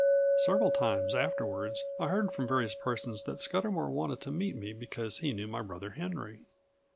Several times afterwards I heard from various persons that Scudamour wanted to meet me because he knew my brother Henry.